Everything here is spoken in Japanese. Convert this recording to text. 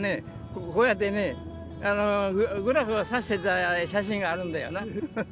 こうやってねグラフを指してた写真があるんだよな。